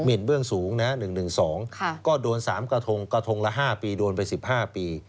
เห็นเบื้องสูงนะ๑๑๒ก็โดน๓กระทงกระทงละ๕ปีโดนไป๑๕ปี